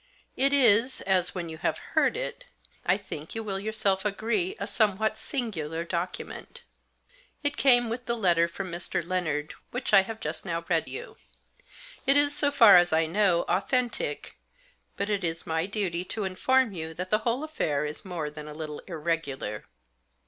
It is, as, when you have heard it, I think you will yourself agree, a somewhat singular document. It came with the letter from Mr. Lennard which I have just now read you. It is, so far as I know, authentic ; but it is my duty to inform you that the whole affair is more than a little irregular.